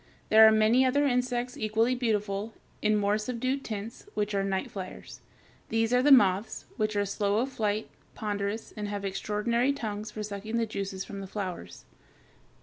There are many other insects equally beautiful, in more subdued tints, which are night flyers. These are the moths (Fig. 237), which are slow of flight, ponderous, and have extraordinary tongues for sucking the juices from the flowers.